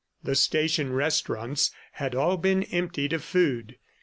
The station restaurants had all been emptied of food.